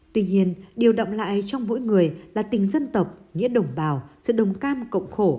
tuy nhiên điều động lại trong mỗi người là tình dân tộc nghĩa đồng bào sự đồng cam cộng khổ